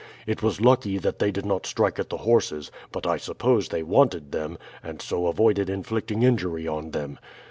It was lucky that they did not strike at the horses; but I suppose they wanted them, and so avoided inflicting injury on them.